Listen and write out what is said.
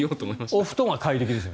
お布団は快適ですね。